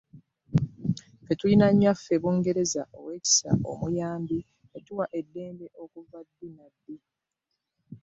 Ffe tulina nnyaffe bungereza ow'ekisa omuyambi yatuwa eddembe okuva ddi na ddi.